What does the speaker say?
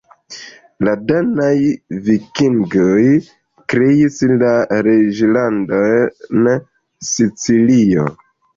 La danaj vikingoj kreis la Reĝlandon Sicilio.